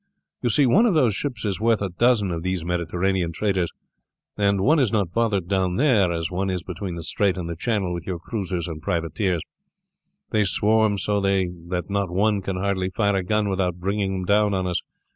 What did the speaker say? You see, one of those ships is worth a dozen of these Mediterranean traders, and one is not bothered down there as one is between the strait and the channel with your cruisers and privateers; they swarm so there that one can hardly fire a gun without bringing them down on us.